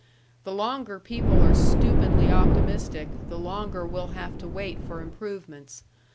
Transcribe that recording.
The longer people are stupidly optimistic, the longer we'll have to wait for improvements.